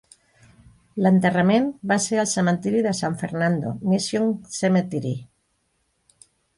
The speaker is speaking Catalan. L'enterrament va ser al cementiri de San Fernando Mission Cemetery.